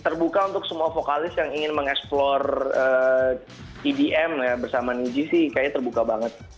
terbuka untuk semua vokalis yang ingin mengeksplor edm ya bersama niji sih kayaknya terbuka banget